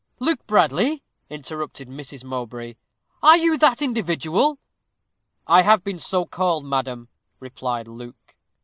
"Luke Bradley!" interrupted Mrs. Mowbray "are you that individual?" "I have been so called, madam," replied Luke.